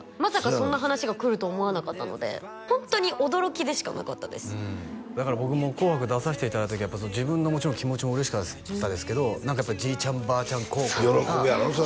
そんな話が来ると思わなかったのでホントに驚きでしかなかったですだから僕も「紅白」出させていただいた時自分のもちろん気持ちも嬉しかったですけど何かやっぱりじいちゃんばあちゃん孝行とか喜ぶやろそれ